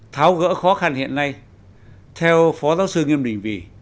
tháo gỡ khó khăn hiện nay theo phó giáo sư nghiêm đình vì